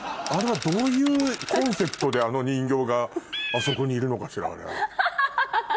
あれはどういうコンセプトであの人形があそこにいるのかしら。